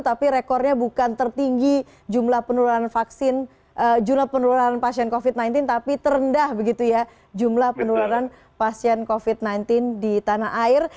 tapi rekornya bukan tertinggi jumlah penurunan vaksin jumlah penurunan covid sembilan belas tapi terhendah dengan jumlah penurunan covid sembilan belas di tanah air